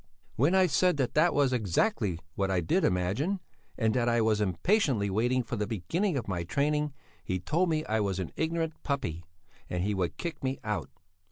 When I said that that was exactly what I did imagine, and that I was impatiently waiting for the beginning of my training, he told me I was an ignorant puppy, and he would kick me out.